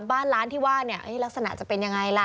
บ้านร้านที่ว่าเนี่ยลักษณะจะเป็นยังไงล่ะ